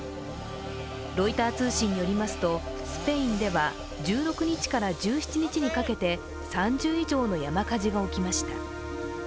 ロイター通信によりますと、スペインでは１６日から１７日にかけて３０以上の山火事が起きました。